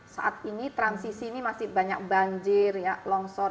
saat ini transisi ini masih banyak banjir longsor